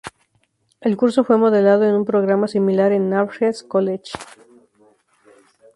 El curso fue modelado en un programa similar en Amherst College.